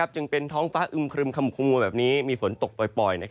จึงเป็นท้องฟ้าอึมครึมคมัวแบบนี้มีฝนตกปล่อย